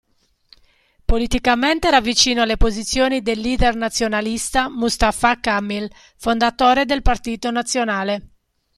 Politicamente era vicino alle posizioni del leader nazionalista Mustafa Kamil, fondatore del Partito Nazionale.